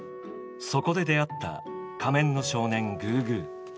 そこで出会った仮面の少年グーグー。